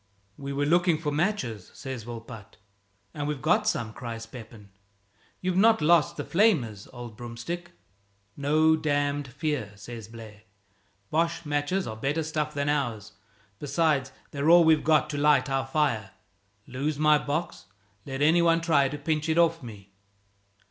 "We were looking for matches," says Volpatte. "And we've got some!" cries Pepin. "You've not lost the flamers, old broomstick?" "No damned fear!" says Blaire; "Boche matches are better stuff than ours. Besides, they're all we've got to light our fire! Lose my box? Let any one try to pinch it off me!"